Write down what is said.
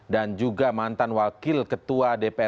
dan juga mantan wakil ketua dprs